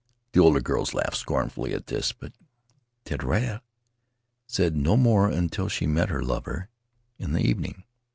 The older girls laughed scornfully at this, but Titiara said no more until she met her lover in the evening.